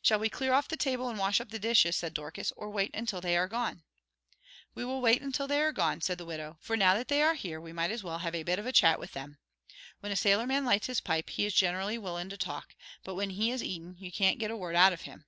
"Shall we clear off the table and wash up the dishes," said Dorcas, "or wait until they are gone?" "We will wait until they are gone," said the widow, "for now that they are here we might as well have a bit of a chat with them. When a sailorman lights his pipe he is generally willin' to talk, but when he is eatin' you can't get a word out of him."